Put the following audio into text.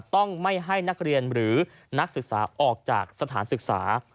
ต้องไม่ให้นักเรียนหรือนักศึกษาออกจากสถานศึกษา